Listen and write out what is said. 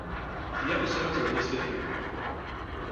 The episodes are listed here.